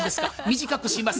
短くします。